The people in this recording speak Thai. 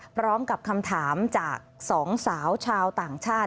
พร้อมกับคำถามจากสองสาวชาวต่างชาติ